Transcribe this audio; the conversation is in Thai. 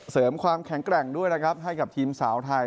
เสริมความแข็งแกร่งด้วยนะครับให้กับทีมสาวไทย